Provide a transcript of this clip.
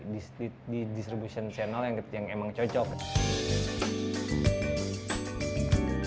dai distribution channel yang ke viensio joked